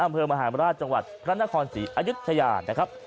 อำเภอมหามราชจังหวัดพระนครศรีอายุทยานะครับ